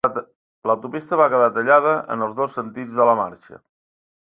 L'autopista va quedar tallada en els dos sentits de la marxa.